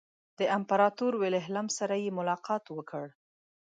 د امپراطور ویلهلم سره یې ملاقات وکړ.